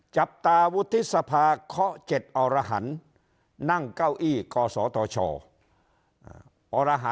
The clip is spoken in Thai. จับตาวุฒิษภาข๗อนั่งเก้าอี้เกาะสวทช